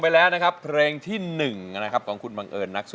แต่น่าเสียดาย